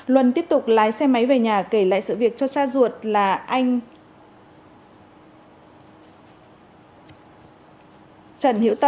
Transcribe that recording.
luân tiếp tục lái xe máy về nhà kể lại sự việc cho cha ruột là anh